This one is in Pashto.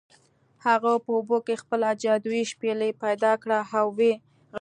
هغه په اوبو کې خپله جادويي شپیلۍ پیدا کړه او و یې غږوله.